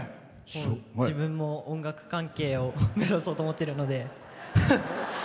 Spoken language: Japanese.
自分も音楽関係を目指そうと思ってるので。